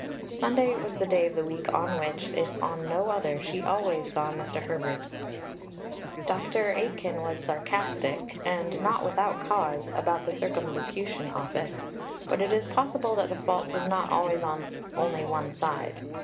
Sunday was the day of the week on which, if on no other, she always saw Mr. Herbert. Dr. Aitken was sarcastic, and not without cause, about the Circumlocution Office; but it is possible that the fault was not always only on one side.